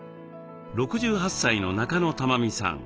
６８歳の中野たま美さん。